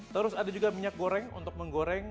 terus ada juga minyak goreng untuk menggoreng